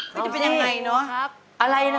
มันจะเป็นยังไงเนอะ